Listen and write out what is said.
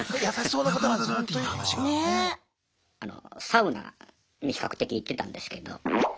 サウナに比較的行ってたんですけど。